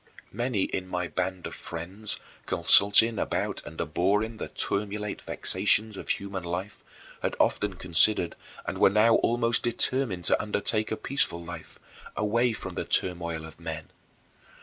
Many in my band of friends, consulting about and abhorring the turbulent vexations of human life, had often considered and were now almost determined to undertake a peaceful life, away from the turmoil of men.